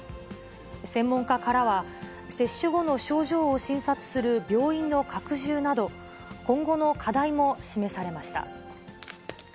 専門家からは、接種後の症状を診察する病院の拡充など、今後の課題も示されました。